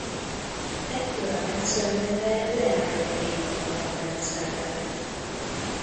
Ekkor a rendszer neve Leány–Legény-barlangrendszer lett.